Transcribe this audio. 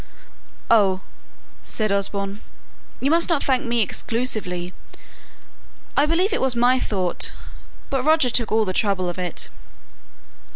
"Oh!" said Osborne, "you must not thank me exclusively. I believe it was my thought, but Roger took all the trouble of it."